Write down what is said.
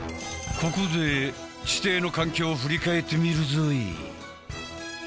ここで地底の環境を振り返ってみるぞい。